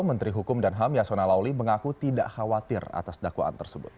menteri hukum dan ham yasona lauli mengaku tidak khawatir atas dakwaan tersebut